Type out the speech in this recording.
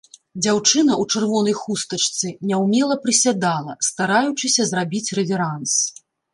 Дзяўчына ў чырвонай хустачцы няўмела прысядала, стараючыся зрабіць рэверанс.